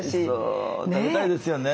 食べたいですよね。